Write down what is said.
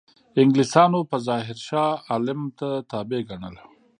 انګلیسانو په ظاهره شاه عالم ته تابع ګڼل.